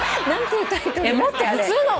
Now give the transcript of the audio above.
何て言ったら。